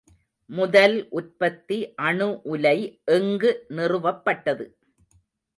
முதல் உற்பத்தி அணு உலை எங்கு நிறுவப்பட்டது?